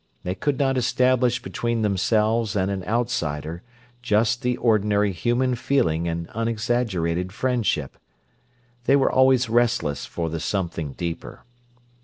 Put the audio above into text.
They could not establish between themselves and an outsider just the ordinary human feeling and unexaggerated friendship; they were always restless for the something deeper.